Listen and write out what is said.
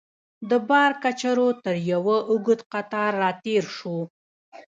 د بار کچرو تر یوه اوږد قطار راتېر شوو.